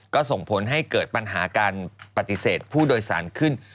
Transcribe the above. ก็ส่งผลให้เกิดปัญหาการปฏิเสธผู้โดยสารขึ้น